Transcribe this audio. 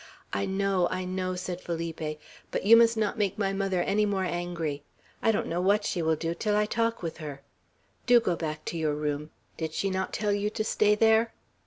"I know! I know!" said Felipe; "but you must not make my mother any more angry. I don't know what she will do till I talk with her. Do go back to your room! Did she not tell you to stay there?"